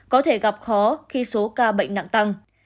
có thể gặp khó khi số ca bệnh nặng tăng